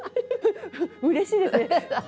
うれしいですね。